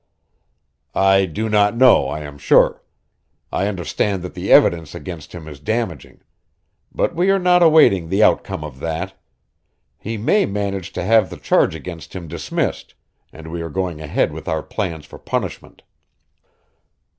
"I do not know, I am sure. I understand that the evidence against him is damaging. But we are not awaiting the outcome of that. He may manage to have the charge against him dismissed, and we are going ahead with our plans for punishment."